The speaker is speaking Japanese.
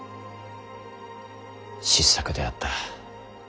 失策であった。